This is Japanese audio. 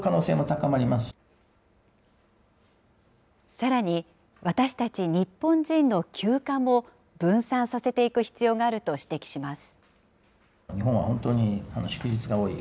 さらに、私たち日本人の休暇も分散させていく必要があると指摘します。